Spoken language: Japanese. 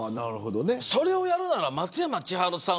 それをやるなら松山千春さん